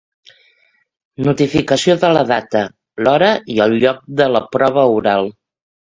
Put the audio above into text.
Notificació de la data, l'hora i el lloc de la prova oral.